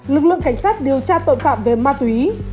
lực lượng cảnh sát điều tra tội phạm về ma túy